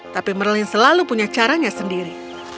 tapi merlin selalu punya caranya sendiri